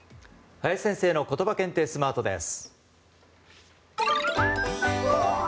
林先生のことば検定スマートです。